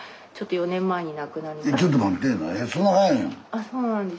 あそうなんです。